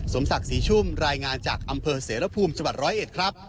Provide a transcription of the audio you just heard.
สมศักดิ์ศรีชุ่มรายงานจากอำเภอเสรภูมิจังหวัดร้อยเอ็ดครับ